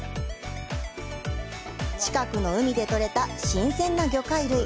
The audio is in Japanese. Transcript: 近くの海で取れた新鮮な魚介類。